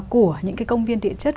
của những cái công viên địa chất